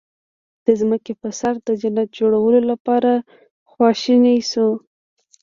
د ځمکې په سر د جنت جوړولو لپاره خواشني شو.